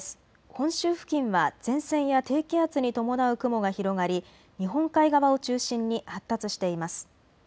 本州付近は前線や低気圧に伴う雲が広がり日本海側を中心に発達しています。